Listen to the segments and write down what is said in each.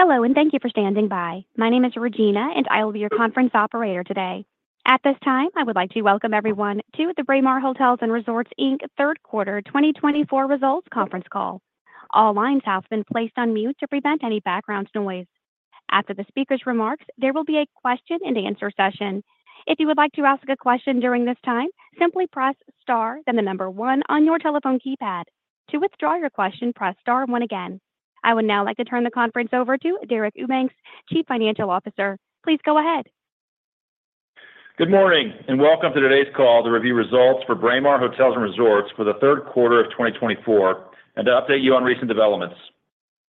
Hello, and thank you for standing by. My name is Regina, and I will be your conference operator today. At this time, I would like to welcome everyone to the Braemar Hotels & Resorts Inc third quarter 2024 results conference call. All lines have been placed on mute to prevent any background noise. After the speaker's remarks, there will be a question-and-answer session. If you would like to ask a question during this time, simply press star, then the number one on your telephone keypad. To withdraw your question, press star one again. I would now like to turn the conference over to Deric Eubanks, Chief Financial Officer. Please go ahead. Good morning, and welcome to today's call to review results for Braemar Hotels & Resorts for the third quarter of 2024 and to update you on recent developments.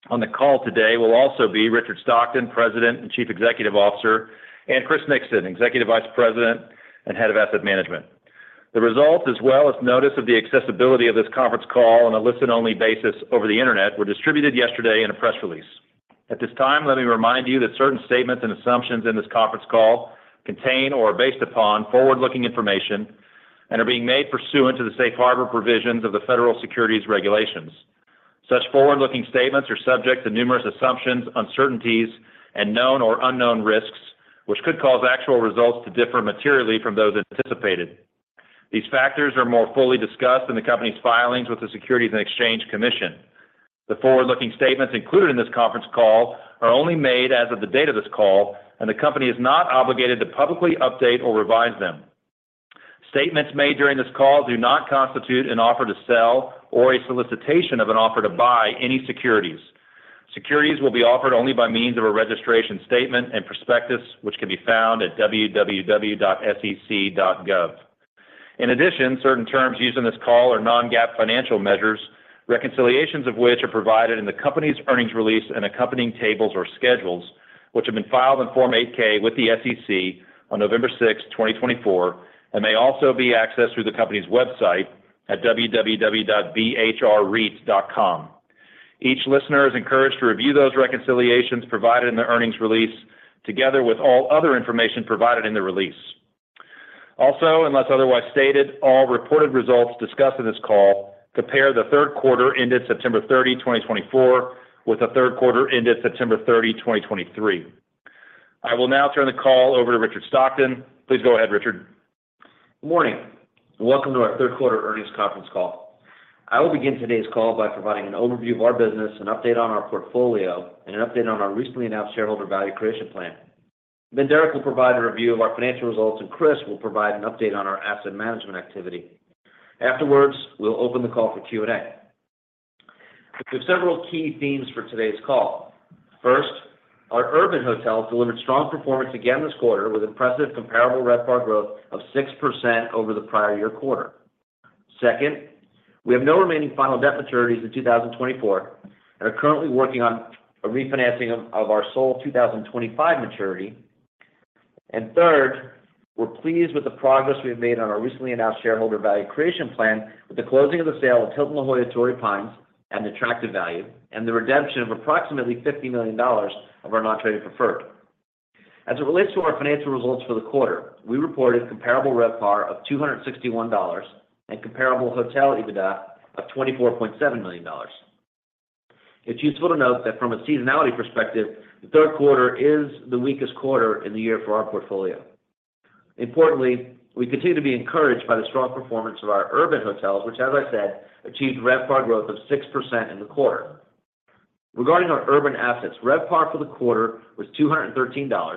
On the call today will also be Richard Stockton, President and Chief Executive Officer, and Chris Nixon, Executive Vice President and Head of Asset Management. The results, as well as notice of the accessibility of this conference call on a listen-only basis over the internet, were distributed yesterday in a press release. At this time, let me remind you that certain statements and assumptions in this conference call contain or are based upon forward-looking information and are being made pursuant to the safe harbor provisions of the federal securities regulations. Such forward-looking statements are subject to numerous assumptions, uncertainties, and known or unknown risks, which could cause actual results to differ materially from those anticipated. These factors are more fully discussed in the company's filings with the Securities and Exchange Commission. The forward-looking statements included in this conference call are only made as of the date of this call, and the company is not obligated to publicly update or revise them. Statements made during this call do not constitute an offer to sell or a solicitation of an offer to buy any securities. Securities will be offered only by means of a registration statement and prospectus, which can be found at www.sec.gov. In addition, certain terms used in this call are non-GAAP financial measures, reconciliations of which are provided in the company's earnings release and accompanying tables or schedules, which have been filed in Form 8-K with the SEC on November 6, 2024, and may also be accessed through the company's website at www.bhrreit.com. Each listener is encouraged to review those reconciliations provided in the earnings release together with all other information provided in the release. Also, unless otherwise stated, all reported results discussed in this call compare the Third Quarter ended September 30, 2024, with the third quarter ended September 30, 2023. I will now turn the call over to Richard Stockton. Please go ahead, Richard. Good morning. Welcome to our third quarter earnings conference call. I will begin today's call by providing an overview of our business, an update on our portfolio, and an update on our recently announced shareholder value creation plan. Then Deric will provide a review of our financial results, and Chris will provide an update on our asset management activity. Afterwards, we'll open the call for Q&A. We have several key themes for today's call. First, our Urban Hotels delivered strong performance again this quarter with impressive comparable RevPAR growth of 6% over the prior year quarter. Second, we have no remaining final debt maturities in 2024 and are currently working on a refinancing of our sole 2025 maturity. And third, we're pleased with the progress we have made on our recently announced shareholder value creation plan with the closing of the sale of Hilton La Jolla Torrey Pines at an attractive value and the redemption of approximately $50 million of our non-trading preferred. As it relates to our financial results for the quarter, we reported comparable RevPAR of $261 and comparable hotel EBITDA of $24.7 million. It's useful to note that from a seasonality perspective, the third quarter is the weakest quarter in the year for our portfolio. Importantly, we continue to be encouraged by the strong performance of our Urban Hotels, which, as I said, achieved RevPAR growth of 6% in the quarter. Regarding our Urban assets, RevPAR for the quarter was $213,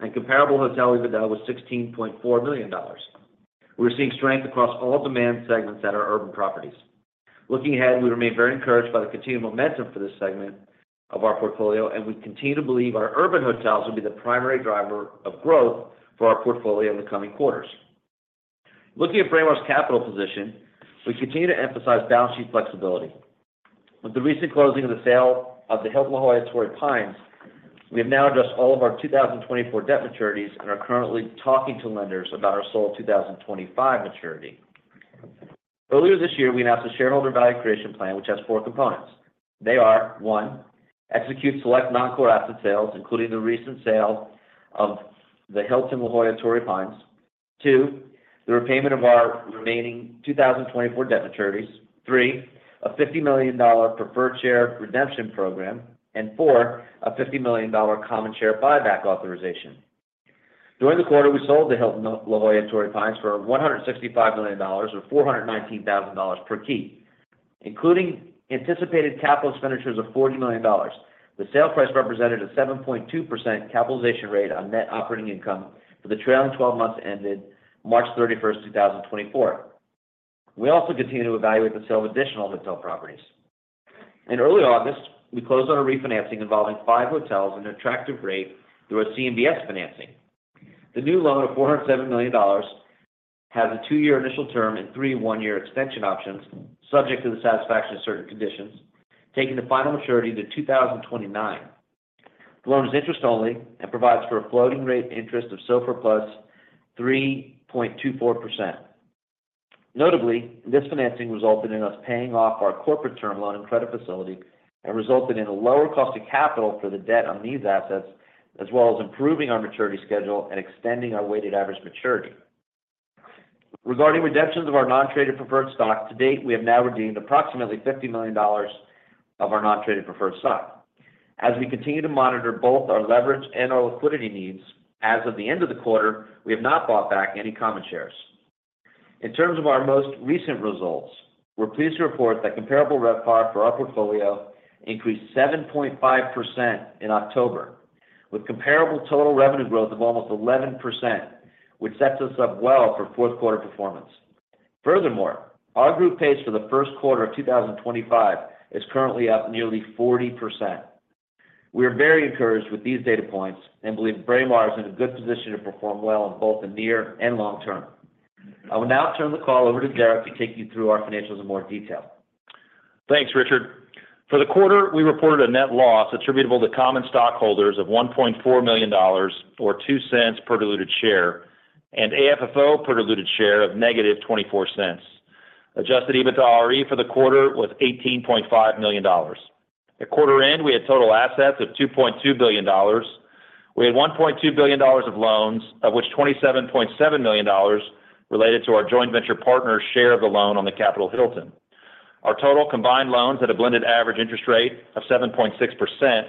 and comparable hotel EBITDA was $16.4 million. We're seeing strength across all demand segments at our Urban properties. Looking ahead, we remain very encouraged by the continued momentum for this segment of our portfolio, and we continue to believe our Urban Hotels will be the primary driver of growth for our portfolio in the coming quarters. Looking at Braemar's capital position, we continue to emphasize balance sheet flexibility. With the recent closing of the sale of the Hilton La Jolla Torrey Pines, we have now addressed all of our 2024 debt maturities and are currently talking to lenders about our sole 2025 maturity. Earlier this year, we announced a shareholder value creation plan, which has four components. They are, one, execute select non-core asset sales, including the recent sale of the Hilton La Jolla Torrey Pines. Two, the repayment of our remaining 2024 debt maturities. Three, a $50 million preferred share redemption program. And four, a $50 million common share buyback authorization. During the quarter, we sold the Hilton La Jolla Torrey Pines for $165 million, or $419,000 per key, including anticipated capital expenditures of $40 million. The sale price represented a 7.2% capitalization rate on net operating income for the trailing 12 months ended March 31st, 2024. We also continue to evaluate the sale of additional hotel properties. In early August, we closed on a refinancing involving five hotels at an attractive rate through a CMBS financing. The new loan of $407 million has a two-year initial term and three one-year extension options, subject to the satisfaction of certain conditions, taking the final maturity to 2029. The loan is interest-only and provides for a floating rate interest of SOFR plus 3.24%. Notably, this financing resulted in us paying off our corporate term loan and credit facility and resulted in a lower cost of capital for the debt on these assets, as well as improving our maturity schedule and extending our weighted average maturity. Regarding redemptions of our non-traded preferred stock, to date, we have now redeemed approximately $50 million of our non-traded preferred stock. As we continue to monitor both our leverage and our liquidity needs, as of the end of the quarter, we have not bought back any common shares. In terms of our most recent results, we're pleased to report that comparable RevPAR for our portfolio increased 7.5% in October, with comparable total revenue growth of almost 11%, which sets us up well for fourth quarter performance. Furthermore, our group pace for the first quarter of 2025 is currently up nearly 40%. We are very encouraged with these data points and believe Braemar is in a good position to perform well in both the near and long term. I will now turn the call over to Deric to take you through our financials in more detail. Thanks, Richard. For the quarter, we reported a net loss attributable to common stockholders of $1.4 million, or $0.02 per diluted share, and AFFO per diluted share of -$0.24. Adjusted EBITDAre for the quarter was $18.5 million. At quarter end, we had total assets of $2.2 billion. We had $1.2 billion of loans, of which $27.7 million related to our joint venture partner's share of the loan on the Capital Hilton. Our total combined loans had a blended average interest rate of 7.6%,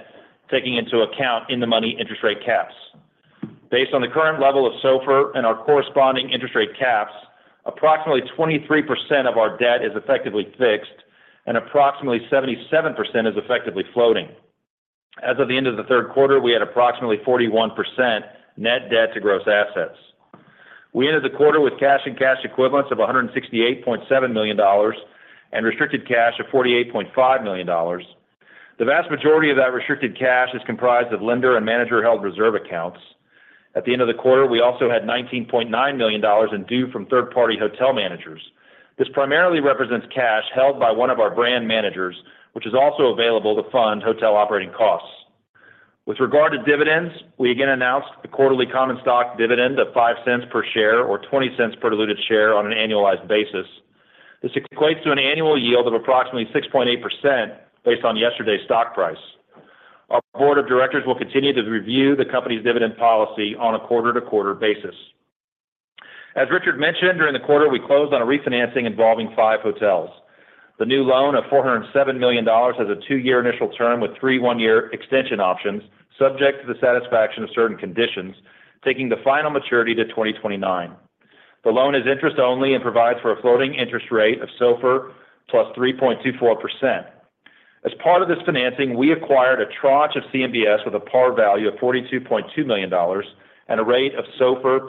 taking into account in-the-money interest rate caps. Based on the current level of SOFR and our corresponding interest rate caps, approximately 23% of our debt is effectively fixed, and approximately 77% is effectively floating. As of the end of the third quarter, we had approximately 41% net debt to gross assets. We ended the quarter with cash and cash equivalents of $168.7 million and restricted cash of $48.5 million. The vast majority of that restricted cash is comprised of lender and manager held reserve accounts. At the end of the quarter, we also had $19.9 million in due from third-party hotel managers. This primarily represents cash held by one of our brand managers, which is also available to fund hotel operating costs. With regard to dividends, we again announced a quarterly common stock dividend of $0.05 per share, or $0.20 per diluted share on an annualized basis. This equates to an annual yield of approximately 6.8% based on yesterday's stock price. Our board of directors will continue to review the company's dividend policy on a quarter-to-quarter basis. As Richard mentioned, during the quarter, we closed on a refinancing involving five hotels. The new loan of $407 million has a two-year initial term with three one-year extension options, subject to the satisfaction of certain conditions, taking the final maturity to 2029. The loan is interest-only and provides for a floating interest rate of SOFR +3.24%. As part of this financing, we acquired a tranche of CMBS with a par value of $42.2 million and a rate of SOFR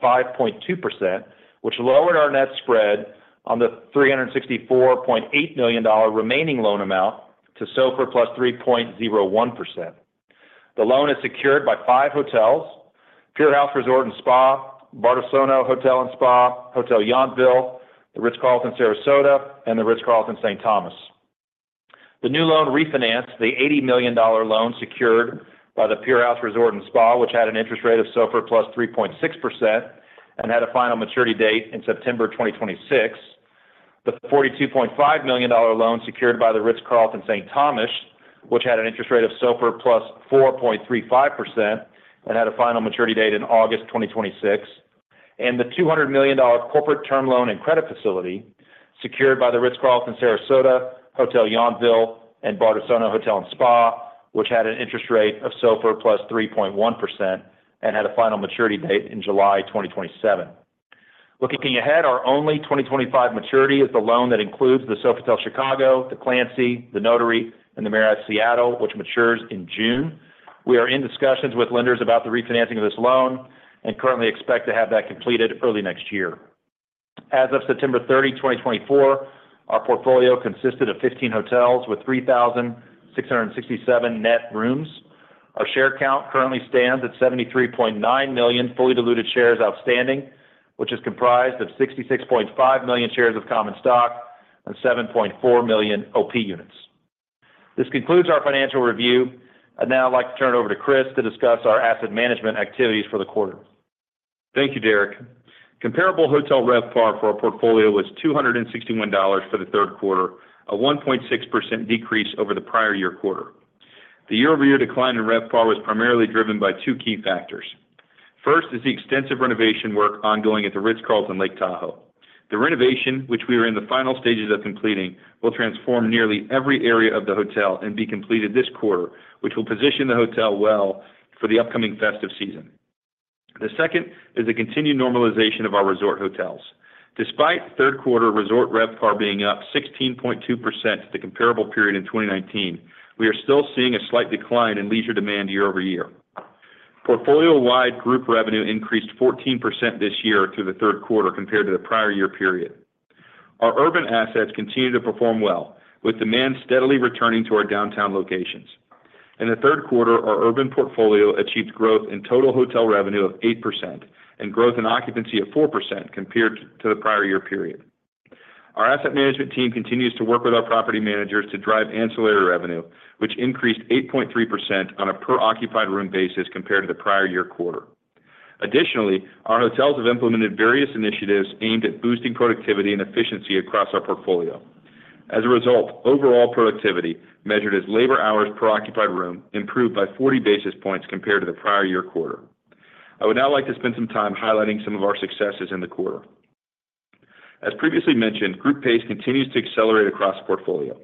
+5.2%, which lowered our net spread on the $364.8 million remaining loan amount to SOFR +3.01%. The loan is secured by five hotels: Pier House Resort & Spa, Bardessono Hotel & Spa, Hotel Yountville, The Ritz-Carlton Sarasota, and The Ritz-Carlton St. Thomas. The new loan refinanced the $80 million loan secured by the Pier House Resort & Spa, which had an interest rate of SOFR +3.6% and had a final maturity date in September 2026. The $42.5 million loan secured by The Ritz-Carlton St. Thomas, which had an interest rate of SOFR +4.35% and had a final maturity date in August 2026, and the $200 million corporate term loan and credit facility secured by The Ritz-Carlton Sarasota, Hotel Yountville, and Bardessono Hotel & Spa, which had an interest rate of SOFR +3.1% and had a final maturity date in July 2027. Looking ahead, our only 2025 maturity is the loan that includes the Sofitel Chicago, the Clancy, the Notary, and the Marriott Seattle, which matures in June. We are in discussions with lenders about the refinancing of this loan and currently expect to have that completed early next year. As of September 30, 2024, our portfolio consisted of 15 hotels with 3,667 net rooms. Our share count currently stands at 73.9 million fully diluted shares outstanding, which is comprised of 66.5 million shares of common stock and 7.4 million OP units. This concludes our financial review. I'd now like to turn it over to Chris to discuss our asset management activities for the quarter. Thank you, Deric. Comparable hotel RevPAR for our portfolio was $261 for the third quarter, a 1.6% decrease over the prior year quarter. The year-over-year decline in RevPAR was primarily driven by two key factors. First is the extensive renovation work ongoing at The Ritz-Carlton Lake Tahoe. The renovation, which we are in the final stages of completing, will transform nearly every area of the hotel and be completed this quarter, which will position the hotel well for the upcoming festive season. The second is the continued normalization of our resort hotels. Despite third quarter resort RevPAR being up 16.2% to the comparable period in 2019, we are still seeing a slight decline in leisure demand year-over-year. Portfolio-wide group revenue increased 14% this year through the third quarter compared to the prior year period. Our urban assets continue to perform well, with demand steadily returning to our downtown locations. In the third quarter, our urban portfolio achieved growth in total hotel revenue of 8% and growth in occupancy of 4% compared to the prior year period. Our asset management team continues to work with our property managers to drive ancillary revenue, which increased 8.3% on a per-occupied room basis compared to the prior year quarter. Additionally, our hotels have implemented various initiatives aimed at boosting productivity and efficiency across our portfolio. As a result, overall productivity, measured as labor hours per occupied room, improved by 40 basis points compared to the prior year quarter. I would now like to spend some time highlighting some of our successes in the quarter. As previously mentioned, group pace continues to accelerate across the portfolio.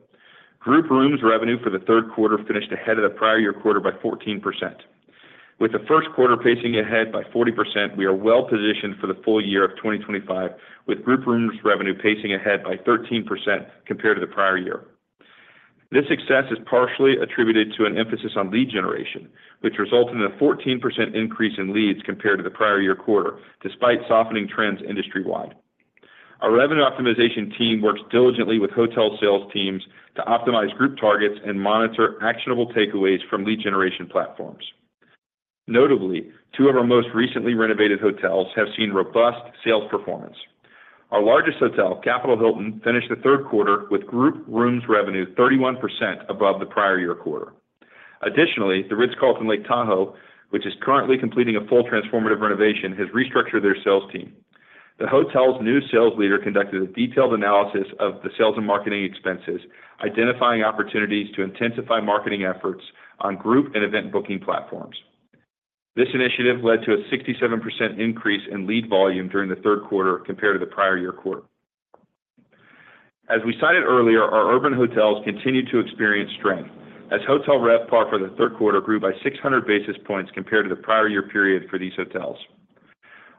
Group rooms revenue for the third quarter finished ahead of the prior year quarter by 14%. With the first quarter pacing ahead by 40%, we are well positioned for the full year of 2025, with group rooms revenue pacing ahead by 13% compared to the prior year. This success is partially attributed to an emphasis on lead generation, which resulted in a 14% increase in leads compared to the prior year quarter, despite softening trends industry-wide. Our revenue optimization team works diligently with hotel sales teams to optimize group targets and monitor actionable takeaways from lead generation platforms. Notably, two of our most recently renovated hotels have seen robust sales performance. Our largest hotel, Capital Hilton, finished the third quarter with group rooms revenue 31% above the prior year quarter. Additionally, The Ritz-Carlton Lake Tahoe, which is currently completing a full transformative renovation, has restructured their sales team. The hotel's new sales leader conducted a detailed analysis of the sales and marketing expenses, identifying opportunities to intensify marketing efforts on group and event booking platforms. This initiative led to a 67% increase in lead volume during the third quarter compared to the prior year quarter. As we cited earlier, our urban hotels continue to experience strength, as hotel RevPAR for the third quarter grew by 600 basis points compared to the prior year period for these hotels.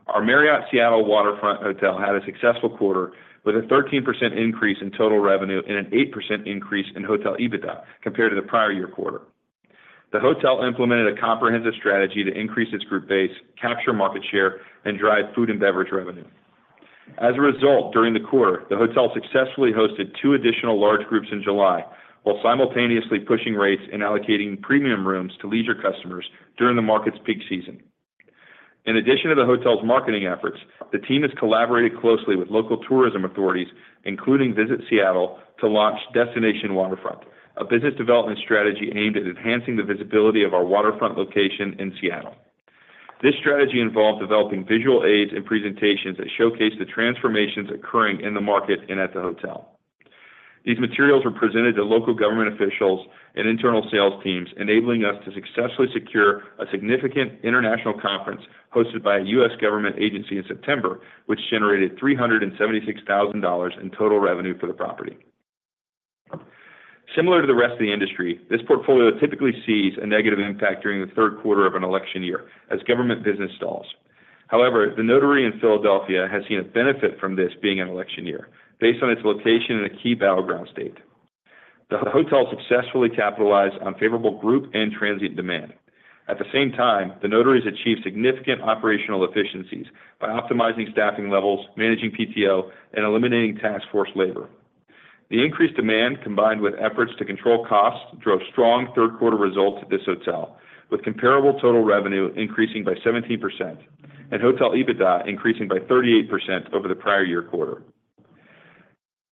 Our Marriott Seattle Waterfront hotel had a successful quarter with a 13% increase in total revenue and an 8% increase in hotel EBITDA compared to the prior year quarter. The hotel implemented a comprehensive strategy to increase its group base, capture market share, and drive food and beverage revenue. As a result, during the quarter, the hotel successfully hosted two additional large groups in July, while simultaneously pushing rates and allocating premium rooms to leisure customers during the market's peak season. In addition to the hotel's marketing efforts, the team has collaborated closely with local tourism authorities, including Visit Seattle, to launch Destination Waterfront, a business development strategy aimed at enhancing the visibility of our waterfront location in Seattle. This strategy involved developing visual aids and presentations that showcase the transformations occurring in the market and at the hotel. These materials were presented to local government officials and internal sales teams, enabling us to successfully secure a significant international conference hosted by a U.S. government agency in September, which generated $376,000 in total revenue for the property. Similar to the rest of the industry, this portfolio typically sees a negative impact during the third quarter of an election year, as government business stalls. However, The Notary in Philadelphia has seen a benefit from this being an election year, based on its location in a key battleground state. The hotel successfully capitalized on favorable group and transit demand. At the same time, The Notary has achieved significant operational efficiencies by optimizing staffing levels, managing PTO, and eliminating task force labor. The increased demand, combined with efforts to control costs, drove strong third quarter results at this hotel, with comparable total revenue increasing by 17% and hotel EBITDA increasing by 38% over the prior year quarter.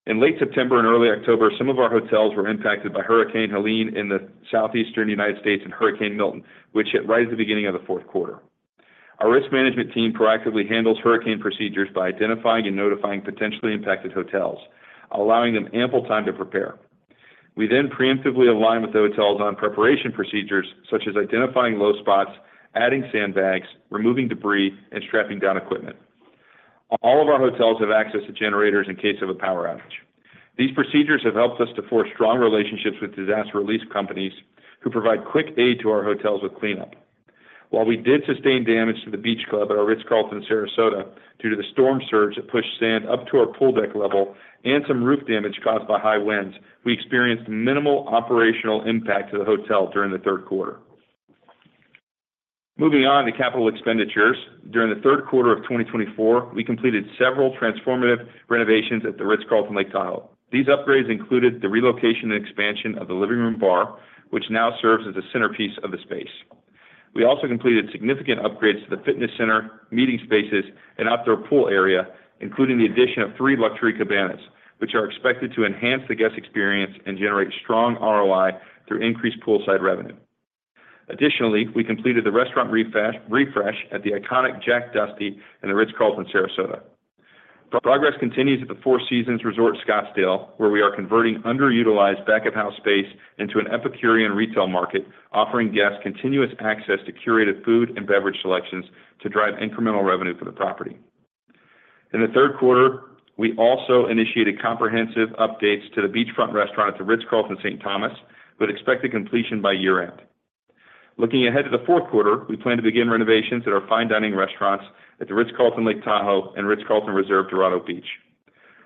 In late September and early October, some of our hotels were impacted by Hurricane Helene in the southeastern United States and Hurricane Milton, which hit right at the beginning of the fourth quarter. Our risk management team proactively handles hurricane procedures by identifying and notifying potentially impacted hotels, allowing them ample time to prepare. We then preemptively align with the hotels on preparation procedures, such as identifying low spots, adding sandbags, removing debris, and strapping down equipment. All of our hotels have access to generators in case of a power outage. These procedures have helped us to forge strong relationships with disaster relief companies who provide quick aid to our hotels with cleanup. While we did sustain damage to the beach club at our The Ritz-Carlton Sarasota due to the storm surge that pushed sand up to our pool deck level and some roof damage caused by high winds, we experienced minimal operational impact to the hotel during the third quarter. Moving on to capital expenditures, during the third quarter of 2024, we completed several transformative renovations at The Ritz-Carlton Lake Tahoe. These upgrades included the relocation and expansion of the living room bar, which now serves as a centerpiece of the space. We also completed significant upgrades to the fitness center, meeting spaces, and outdoor pool area, including the addition of three luxury cabanas, which are expected to enhance the guest experience and generate strong ROI through increased poolside revenue. Additionally, we completed the restaurant refresh at the iconic Jack Dusty in The Ritz-Carlton Sarasota. Progress continues at the Four Seasons Resort Scottsdale, where we are converting underutilized back-of-house space into an epicurean retail market, offering guests continuous access to curated food and beverage selections to drive incremental revenue for the property. In the third quarter, we also initiated comprehensive updates to the beachfront restaurant at the Ritz-Carlton St. Thomas, but expect completion by year-end. Looking ahead to the fourth quarter, we plan to begin renovations at our fine dining restaurants at The Ritz-Carlton Lake Tahoe and The Ritz-Carlton Reserve Dorado Beach.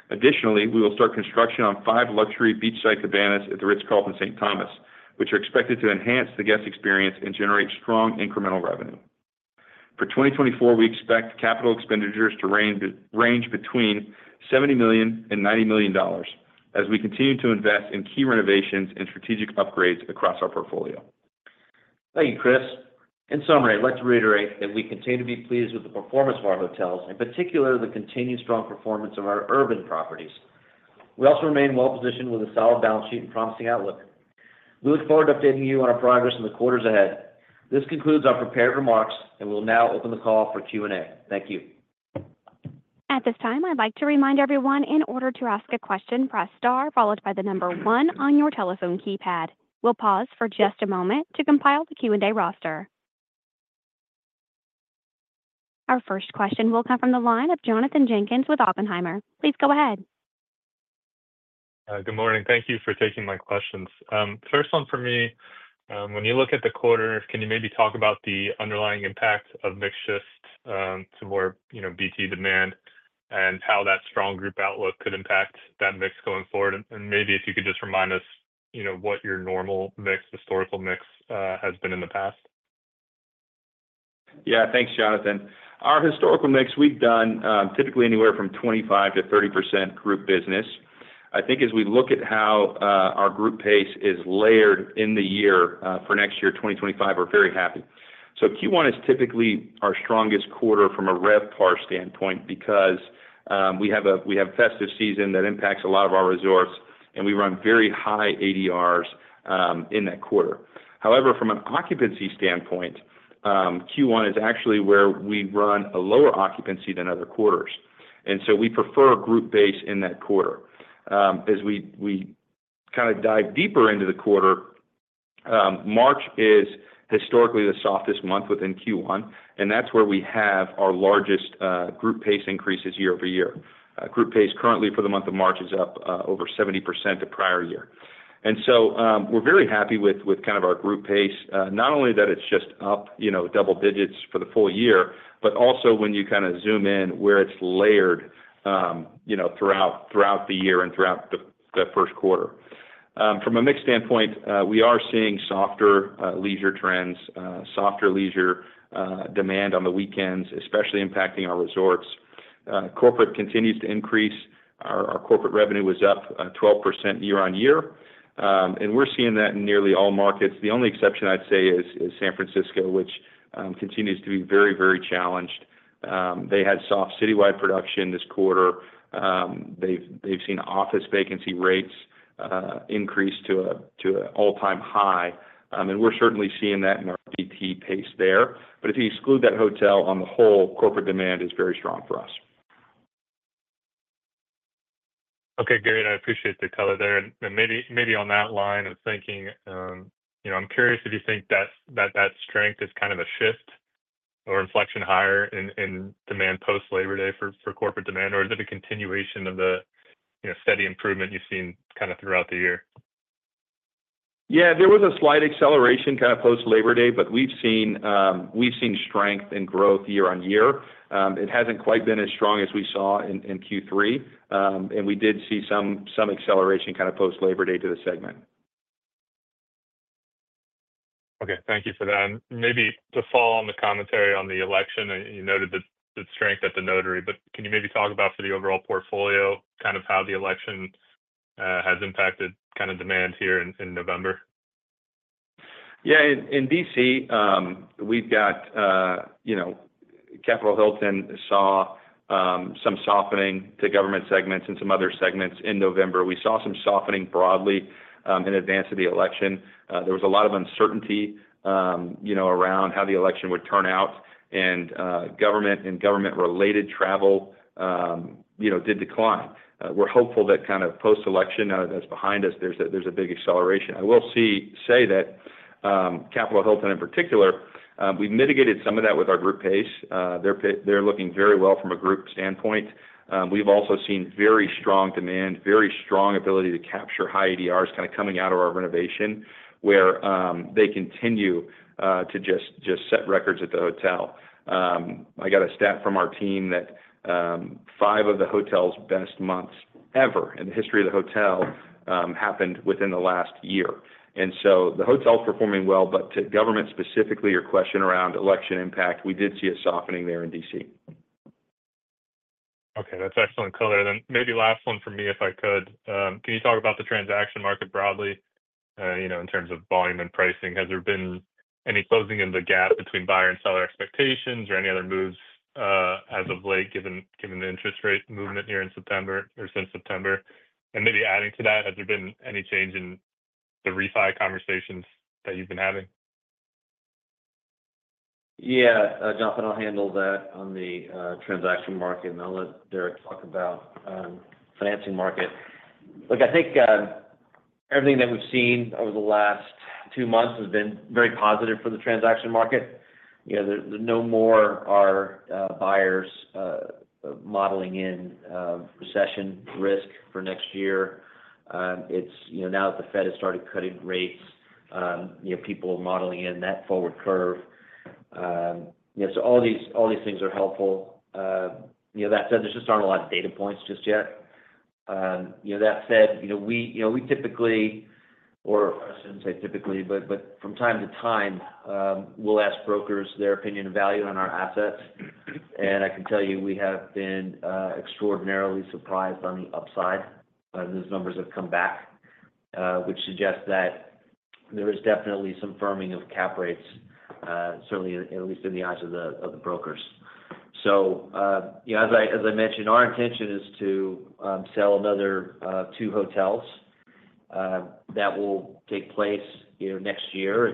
Additionally, we will start construction on five luxury beachside cabanas at The Ritz-Carlton St. Thomas, which are expected to enhance the guest experience and generate strong incremental revenue. For 2024, we expect capital expenditures to range between $70 million-$90 million, as we continue to invest in key renovations and strategic upgrades across our portfolio. Thank you, Chris. In summary, I'd like to reiterate that we continue to be pleased with the performance of our hotels, in particular the continued strong performance of our urban properties. We also remain well positioned with a solid balance sheet and promising outlook. We look forward to updating you on our progress in the quarters ahead. This concludes our prepared remarks, and we'll now open the call for Q&A. Thank you. At this time, I'd like to remind everyone in order to ask a question, press star followed by the number one on your telephone keypad. We'll pause for just a moment to compile the Q&A roster. Our first question will come from the line of Jonathan Jenkins with Oppenheimer. Please go ahead. Good morning. Thank you for taking my questions. First one for me, when you look at the quarter, can you maybe talk about the underlying impact of mixed shifts to more BT demand and how that strong group outlook could impact that mix going forward? And maybe if you could just remind us what your normal mix, historical mix, has been in the past. Yeah, thanks, Jonathan. Our historical mix, we've done typically anywhere from 25%-30% group business. I think as we look at how our group pace is layered in the year for next year, 2025, we're very happy, so Q1 is typically our strongest quarter from a RevPAR standpoint because we have a festive season that impacts a lot of our resorts, and we run very high ADRs in that quarter. However, from an occupancy standpoint, Q1 is actually where we run a lower occupancy than other quarters, and so we prefer group base in that quarter. As we kind of dive deeper into the quarter, March is historically the softest month within Q1, and that's where we have our largest group pace increases year-over-year. Group pace currently for the month of March is up over 70% to prior year. And so we're very happy with kind of our group pace, not only that it's just up double digits for the full year, but also when you kind of zoom in where it's layered throughout the year and throughout the first quarter. From a mixed standpoint, we are seeing softer leisure trends, softer leisure demand on the weekends, especially impacting our resorts. Corporate continues to increase. Our corporate revenue was up 12% year on year, and we're seeing that in nearly all markets. The only exception I'd say is San Francisco, which continues to be very, very challenged. They had soft citywide production this quarter. They've seen office vacancy rates increase to an all-time high, and we're certainly seeing that in our BT pace there. But if you exclude that hotel on the whole, corporate demand is very strong for us. Okay, Deric, and I appreciate the color there. And maybe on that line of thinking, I'm curious if you think that that strength is kind of a shift or inflection higher in demand post-Labor Day for corporate demand, or is it a continuation of the steady improvement you've seen kind of throughout the year? Yeah, there was a slight acceleration kind of post-Labor Day, but we've seen strength and growth year on year. It hasn't quite been as strong as we saw in Q3, and we did see some acceleration kind of post-Labor Day to the segment. Okay, thank you for that. And maybe to follow on the commentary on the election, you noted the strength at the Notary, but can you maybe talk about for the overall portfolio kind of how the election has impacted kind of demand here in November? Yeah, in D.C., we've got Capital Hilton saw some softening to government segments and some other segments in November. We saw some softening broadly in advance of the election. There was a lot of uncertainty around how the election would turn out, and government and government-related travel did decline. We're hopeful that kind of post-election, now that that's behind us, there's a big acceleration. I will say that Capital Hilton in particular, we mitigated some of that with our group pace. They're looking very well from a group standpoint. We've also seen very strong demand, very strong ability to capture high ADRs kind of coming out of our renovation, where they continue to just set records at the hotel. I got a stat from our team that five of the hotel's best months ever in the history of the hotel happened within the last year. And so the hotel's performing well, but to government specifically, your question around election impact, we did see a softening there in DC. Okay, that's excellent color. Then maybe last one for me, if I could. Can you talk about the transaction market broadly in terms of volume and pricing? Has there been any closing in the gap between buyer and seller expectations or any other moves as of late, given the interest rate movement here in September or since September? And maybe adding to that, has there been any change in the refi conversations that you've been having? Yeah, Jonathan, I'll handle that on the transaction market, and I'll let Deric talk about the financing market. Look, I think everything that we've seen over the last two months has been very positive for the transaction market. There are no more buyers modeling in recession risk for next year. Now that the Fed has started cutting rates, people are modeling in that forward curve. So all these things are helpful. That said, there just aren't a lot of data points just yet. That said, we typically, or I shouldn't say typically, but from time to time, we'll ask brokers their opinion and value on our assets. And I can tell you we have been extraordinarily surprised on the upside. Those numbers have come back, which suggests that there is definitely some firming of cap rates, certainly at least in the eyes of the brokers. So as I mentioned, our intention is to sell another two hotels. That will take place next year.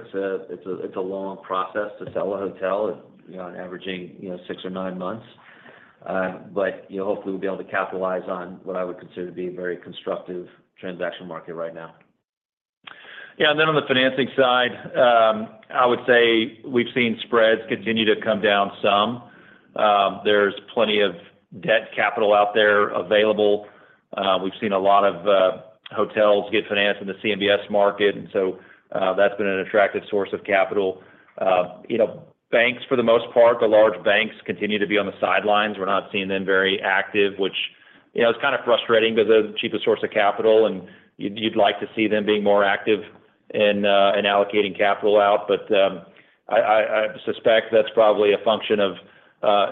It's a long process to sell a hotel on averaging six or nine months. But hopefully, we'll be able to capitalize on what I would consider to be a very constructive transaction market right now. Yeah, and then on the financing side, I would say we've seen spreads continue to come down some. There's plenty of debt capital out there available. We've seen a lot of hotels get financed in the CMBS market, and so that's been an attractive source of capital. Banks, for the most part, the large banks continue to be on the sidelines. We're not seeing them very active, which is kind of frustrating because they're the cheapest source of capital, and you'd like to see them being more active in allocating capital out. But I suspect that's probably a function of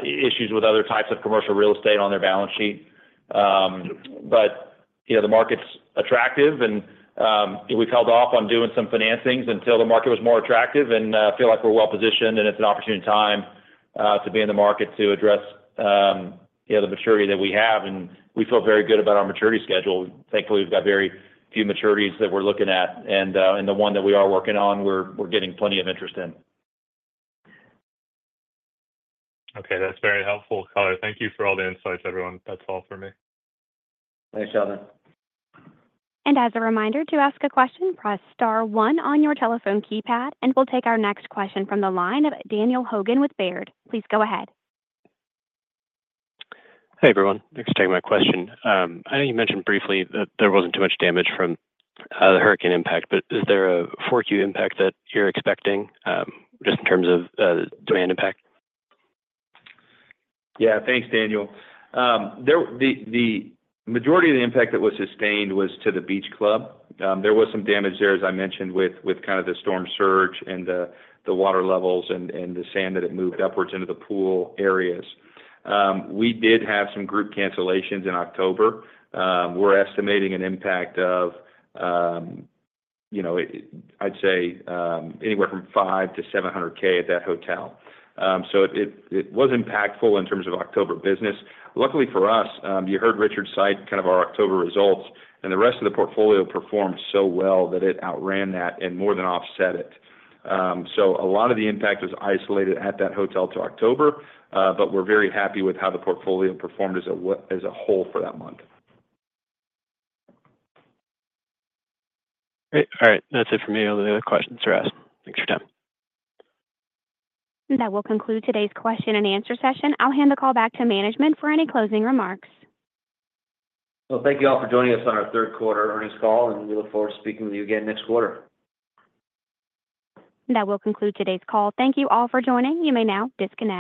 issues with other types of commercial real estate on their balance sheet. But the market's attractive, and we've held off on doing some financings until the market was more attractive, and I feel like we're well positioned, and it's an opportune time to be in the market to address the maturity that we have. And we feel very good about our maturity schedule. Thankfully, we've got very few maturities that we're looking at, and the one that we are working on, we're getting plenty of interest in. Okay, that's very helpful, color. Thank you for all the insights, everyone. That's all for me. Thanks, Jonathan. As a reminder, to ask a question, press star one on your telephone keypad, and we'll take our next question from the line of Daniel Hogan with Baird. Please go ahead. Hey, everyone. Thanks for taking my question. I know you mentioned briefly that there wasn't too much damage from the hurricane impact, but is there a flow-through impact that you're expecting just in terms of demand impact? Yeah, thanks, Daniel. The majority of the impact that was sustained was to the beach club. There was some damage there, as I mentioned, with kind of the storm surge and the water levels and the sand that had moved upwards into the pool areas. We did have some group cancellations in October. We're estimating an impact of, I'd say, anywhere from $500K-$700K at that hotel. So it was impactful in terms of October business. Luckily for us, you heard Richard cite kind of our October results, and the rest of the portfolio performed so well that it outran that and more than offset it. So a lot of the impact was isolated at that hotel to October, but we're very happy with how the portfolio performed as a whole for that month. All right. That's it for me. All the other questions are asked. Thanks for your time. That will conclude today's question and answer session. I'll hand the call back to management for any closing remarks. Thank you all for joining us on our third quarter earnings call, and we look forward to speaking with you again next quarter. That will conclude today's call. Thank you all for joining. You may now disconnect.